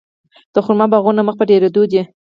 د خرما باغونه مخ په ډیریدو دي.